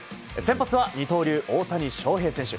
発は二刀流・大谷翔平選手。